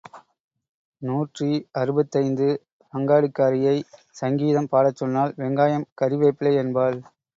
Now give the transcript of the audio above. நூற்றி அறுபத்தைந்து அங்காடிக்காரியைச் சங்கீதம் பாடச் சொன்னால், வெங்காயம், கறி வேப்பிலை என்பாள்.